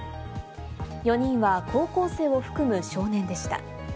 ４人は高校生を含む少年でした。